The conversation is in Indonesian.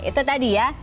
itu tadi ya